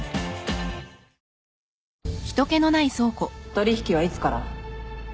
取引はいつから？